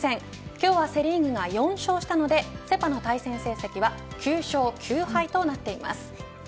今日はセ・リーグが４勝したのでセ、パの対戦成績は９勝９敗となっています。